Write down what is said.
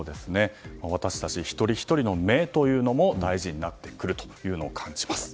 私たち１人ひとりの目というのも大事になってくるというのを感じます。